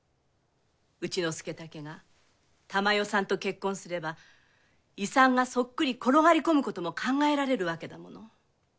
うちの佐武が珠世さんと結婚すれば遺産がそっくり転がり込むことも考えられるわけだもの。